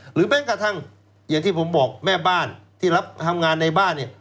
หรือแม้กระทั่งอย่างที่ผมบอกแม่บ้านที่ทำงานในบ้าน